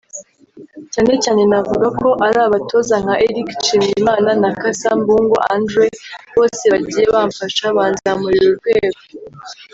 Cyane cyane navuga ko ari abatoza nka Eric Nshimiyimana na Cassa Mbungo Andre bose bagiye bamfasha banzamurira urwego